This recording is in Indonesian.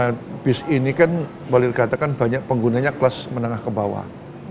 karena bisnis ini kan boleh dikatakan banyak penggunanya kelas menengah ke bawah